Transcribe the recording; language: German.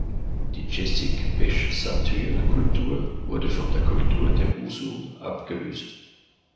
Die Jessik-Beschsatyr-Kultur wurde von der Kultur der Wusun abgelöst.